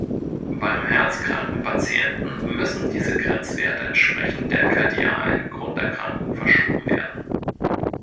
Beim herzkranken Patienten müssen diese Grenzwerte entsprechend der kardialen Grunderkrankung verschoben werden.